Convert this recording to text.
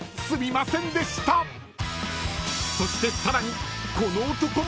［そしてさらに］